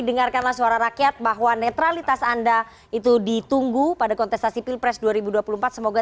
dengarkanlah suara rakyat bahwa netralitas anda itu ditunggu pada kontestasi pilpres dua ribu dua puluh empat semoga